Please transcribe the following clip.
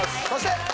そして。